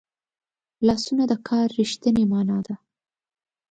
لاسونه د کار رښتینې مانا ده